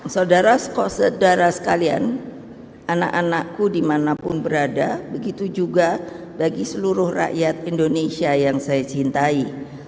saudara saudara sekalian anak anakku dimanapun berada begitu juga bagi seluruh rakyat indonesia yang saya cintai